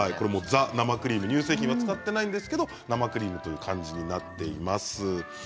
ザ・生クリーム乳製品は使っていませんけれど生クリームのようになっています。